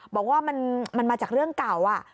บอกว่ามันมาจากเรื่องเก่า